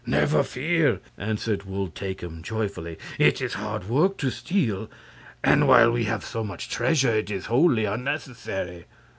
"Never fear!" answered Wul Takim, joyfully. "It is hard work to steal, and while we have so much treasure it is wholly unnecessary.